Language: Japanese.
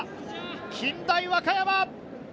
近大和歌山。